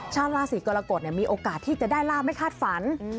ชาวราศีกรกฎมีโอกาสที่จะได้ลาบไม่คาดฝัน